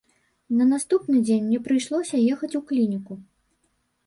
На наступны дзень мне прыйшлося ехаць у клініку.